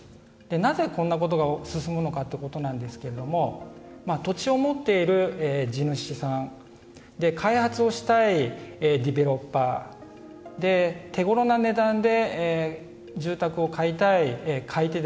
なぜこんなことが進むのかということなんですけれども土地を持っている地主さん開発をしたいデベロッパー手ごろな値段で住宅を買いたい買い手。